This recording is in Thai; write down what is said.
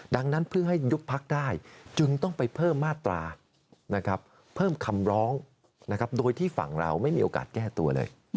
ดังนั้นเพื่อให้ยุบพักได้จึงต้องไปเพิ่มมาตราเพิ่มคำร้องโดยที่ฝั่งเราไม่มีโอกาสแก้ตัวเลย